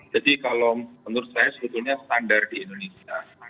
jadi kalau menurut saya sebetulnya standar di indonesia